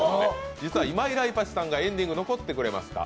実は今井らいぱちさんがエンディングに残ってくれました。